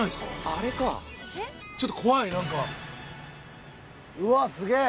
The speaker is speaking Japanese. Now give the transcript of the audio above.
あれかちょっと怖い何かうわっすげえ！